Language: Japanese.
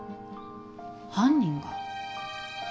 犯人が。